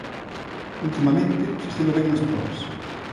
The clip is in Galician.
Ultimamente, xestiono ben as probas.